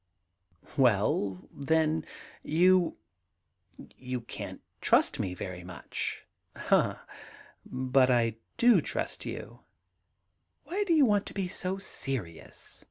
* Well then, you — you can't trust me very much.' •Ah, but I do trust you. ... Why do you want to be so serious